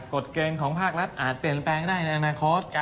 กฎเกณฑ์ของภาครัฐอาจเปลี่ยนแปลงได้ในอนาคต